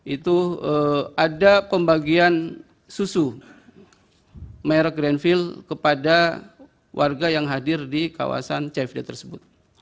itu ada pembagian susu merek grandfield kepada warga yang hadir di kawasan cfd tersebut